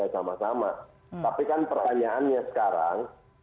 tapi yang penting